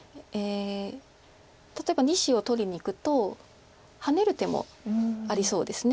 例えば２子を取りにいくとハネる手もありそうです。